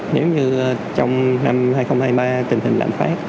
nếu như trong năm hai nghìn hai mươi ba tình hình lãm phát